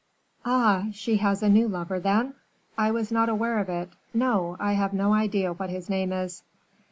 "Ah! she has a new lover, then? I was not aware of it; no, I have no idea what his name is."